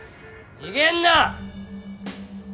逃げんな！